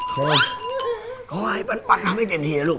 โค่ยโค่ยปันปันทำให้เตรียมทีเลยลูก